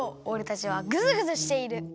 おれたちはグズグズしている。